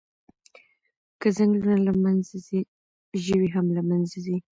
که ځنګلونه له منځه ځي، ژوي هم له منځه ځي.